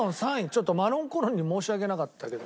ちょっとマロンコロンに申し訳なかったけど。